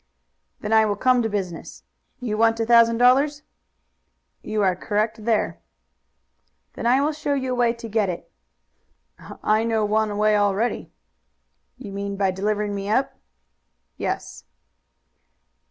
"Then I will come to business. You want a thousand dollars?" "You are correct there." "Then I will show you a way to get it." "I know one way already." "You mean by delivering me up?" "Yes."